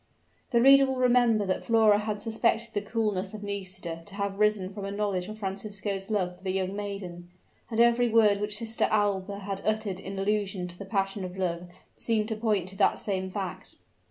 The reader will remember that Flora had suspected the coolness of Nisida to have risen from a knowledge of Francisco's love for the young maiden; and every word which Sister Alba had uttered in allusion to the passion of love seemed to point to that same fact.